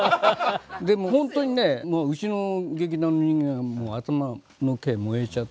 でも本当にねもううちの劇団みんな頭の毛燃えちゃって。